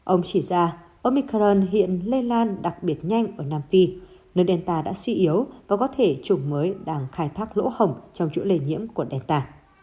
ông chỉ ra omicron hiện lây lan đặc biệt nhanh ở nam phi nơi delta đã suy yếu và có thể chủng mới đang khai thác lỗ hồng trong chủ lây nhiễm của delta